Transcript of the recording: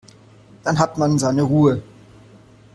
Dann hat man seine Ruhe.